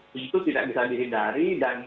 tentu tidak bisa dihindari dan